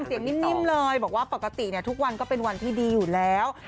นิ่มเลยบอกว่าปกติทุกวันก็เป็นวันที่ดีอยู่แล้ว